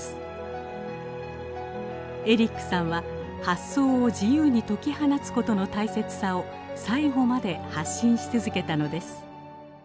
エリックさんは発想を自由に解き放つことの大切さを最後まで発信し続けたのです。